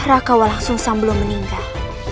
raka walang sungsang belum meninggal